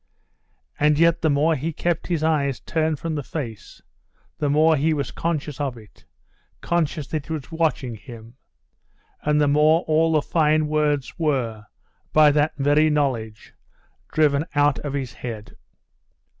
And yet the more lie kept his eyes turned from the face, the more lie was conscious of it, conscious that it was watching him; and the more all the fine words were, by that very knowledge, driven out of his head....